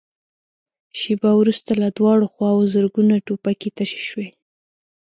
شېبه وروسته له دواړو خواوو زرګونه ټوپکې تشې شوې.